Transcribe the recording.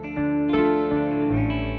kamu juga sama